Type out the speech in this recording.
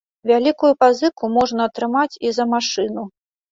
Вялікую пазыку можна атрымаць і за машыну.